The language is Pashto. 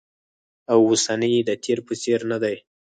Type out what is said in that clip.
او اوسنی یې د تېر په څېر ندی